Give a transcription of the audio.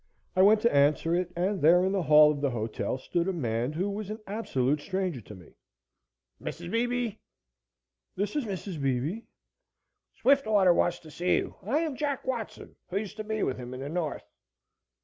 I went to answer it, and there in the hall of the hotel stood a man who was an absolute stranger to me. "Mrs. Beebe?" "This is Mrs. Beebe." "Swiftwater wants to see you. I am Jack Watson, who used to be with him in the north."